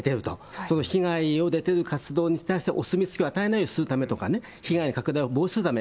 その被害を出てる活動に対してお墨付きを与えないようにするためとか、被害の拡大を防止するため、